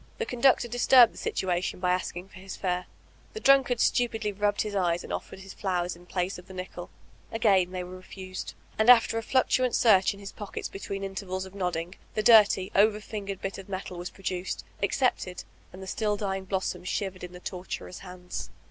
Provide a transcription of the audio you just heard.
The conductor disturbed the situation by asking for his fare. The drunkard stu pidly rubbed his eyes and offered his flowers m place of the nickel Again they were refused; and after a fluctuant search in his pockets between intervals of nod ding, the dirty, over fingered bit of metal was produced, accepted — and still the dying blossoms shivered in the torturer's hands.